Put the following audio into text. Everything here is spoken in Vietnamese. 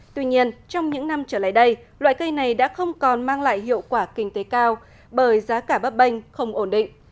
tuy nhiên trong những năm trở lại đây loại cây này đã không còn mang lại hiệu quả kinh tế cao bởi giá cả bấp bênh không ổn định